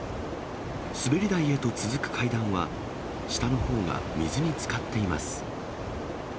滑り台へと続く階段は、下のほうが水につかっています。